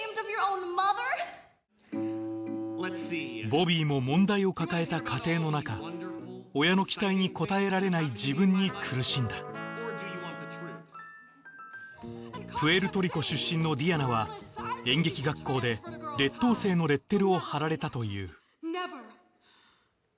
ボビーも問題を抱えた家庭の中親の期待に応えられない自分に苦しんだプエルトリコ出身のディアナは演劇学校で劣等生のレッテルを貼られたという“Ｎｅｖｅｒ！